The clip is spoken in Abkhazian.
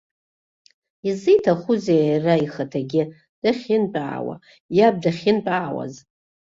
Изиҭахузеи иара ихаҭагьы, дахьынтәаауа, иаб дахьынтәаауаз!